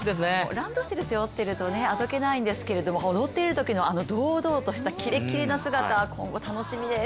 ランドセル背負っているとあどけないんですけど踊っているときのあの堂々としたキレッキレの姿、今後楽しみです。